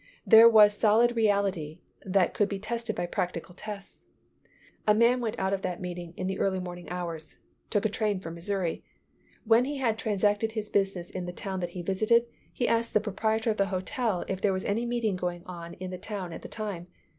There was solid reality that could be tested by practical tests. A man went out of that meeting in the early morning hours, took a train for Missouri. When he had transacted his business in the town that he visited, he asked the proprietor of the hotel if there was any meeting going on in the town at the time.